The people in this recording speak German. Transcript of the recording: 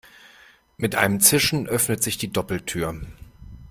Mit einem Zischen öffnet sich die Doppeltür.